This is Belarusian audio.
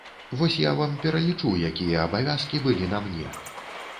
Вось я вам пералічу, якія абавязкі былі на мне.